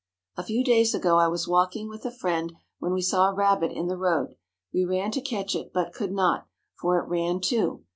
A few days ago I was walking with a friend when we saw a rabbit in the road. We ran to catch it, but could not, for it ran too.